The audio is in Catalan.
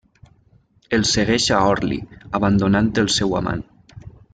El segueix a Orly, abandonant el seu amant.